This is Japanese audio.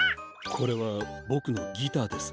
これはボクのギターです。